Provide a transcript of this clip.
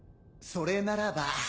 それならば。